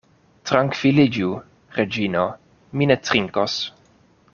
Trankviliĝu, Reĝino; mi ne trinkos.